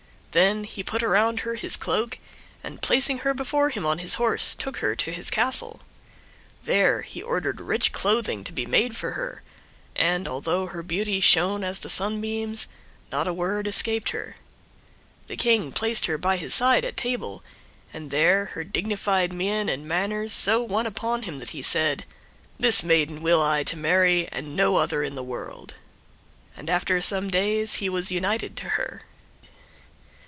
Then he put around her his cloak, and, placing her before him on his horse, took her to his castle. There he ordered rich clothing to be made for her, and, although her beauty shone as the sun beams, not a word escaped her. The King placed her by his side at table, and there her dignified mien and manners so won upon him, that he said, "This maiden will I to marry, and no other in the world," and after some days he was united to her.